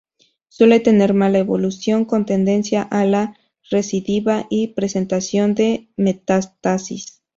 Suele tener mala evolución, con tendencia a la recidiva y presentación de metástasis.